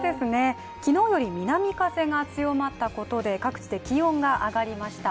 昨日より南風が強まったことで各地で気温が上がりました。